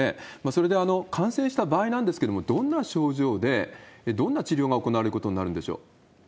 それで、感染した場合なんですけれども、どんな症状で、どんな治療が行われることになるんでしょう？